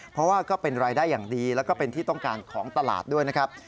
เพราะว่าก็เป็นรายได้อย่างดีแล้วก็เป็นที่ต้องการของตลาดด้วยนะครับ